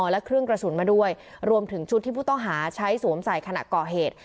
และเครื่องกระสุนมาด้วยรวมถึงชุดที่ผู้ต้องหาใช้สวมใส่ขณะก่อเหตุ